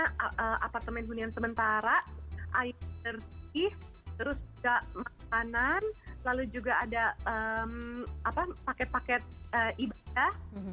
ada apartemen hunian sementara air bersih terus juga makanan lalu juga ada paket paket ibadah